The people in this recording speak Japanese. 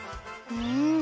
うん！